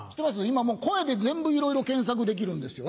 今もう声で全部いろいろ検索できるんですよね。